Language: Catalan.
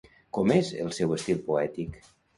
Com és el seu estil poètic?